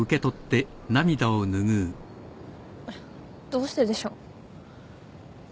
どうしてでしょう。